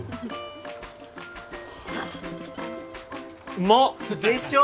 うまっ！でしょ？